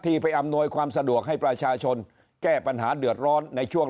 ไปอำนวยความสะดวกให้ประชาชนแก้ปัญหาเดือดร้อนในช่วง